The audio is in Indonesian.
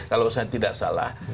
kalau saya tidak salah